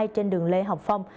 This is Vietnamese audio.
trên đường lê học phong